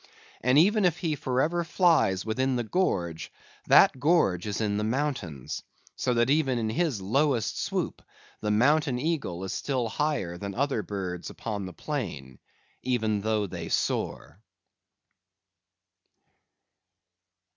And even if he for ever flies within the gorge, that gorge is in the mountains; so that even in his lowest swoop the mountain eagle is still higher than other birds upon the plain, even though they soar.